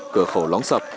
cửa khẩu lóng sập